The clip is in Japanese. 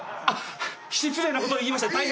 あっ失礼なことを言いました。